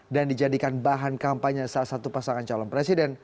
dan dijadikan bahan kampanye salah satu pasangan calon presiden